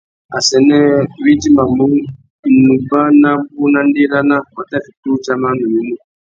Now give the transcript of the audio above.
Assênē wá idjimamú, nubá nabú na ndérana, wa tà fiti udjama nuyumu.